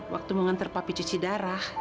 waktu mau nganter papi cuci darah